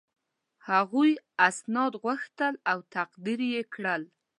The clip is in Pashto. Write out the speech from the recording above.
هغوی اسناد وغوښتل او تقدیم یې کړل.